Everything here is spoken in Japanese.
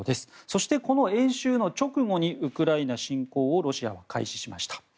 そして、この演習の直後にウクライナ侵攻をロシアが開始しました。